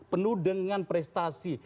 penuh dengan prestasi